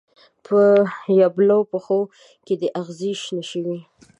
په یبلو پښو کې دې اغزې شنه شوي